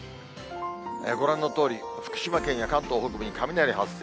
ご覧のとおり、福島県や関東北部に雷発生。